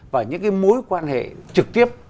và những cái mối quan hệ trực tiếp